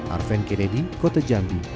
arven keredi kota jambi